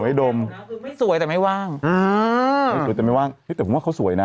ดมไม่สวยแต่ไม่ว่างอ่าไม่สวยแต่ไม่ว่างเฮ้ยแต่ผมว่าเขาสวยนะ